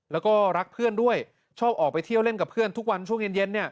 แล้วก็รักเพื่อนด้วยชอบออกไปเที่ยวเล่นกับเพื่อนทุกวันช่วงเย็น